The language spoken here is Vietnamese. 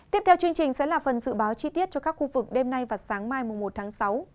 tiếp theo chương trình sẽ là phần dự báo chi tiết cho các khu vực đêm nay và sáng mai một tháng sáu